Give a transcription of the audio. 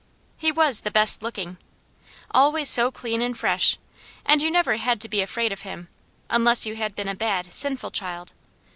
He was the best looking always so clean and fresh, and you never had to be afraid of him, unless you had been a bad, sinful child.